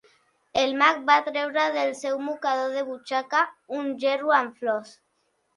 El mag va treure del seu mocador de butxaca un gerro amb flors.